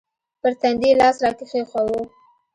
پر تندي يې لاس راکښېښوو.